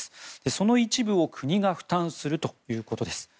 その一部を国が負担するということです。